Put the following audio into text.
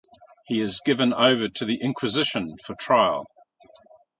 He is given over to the Inquisition for trial.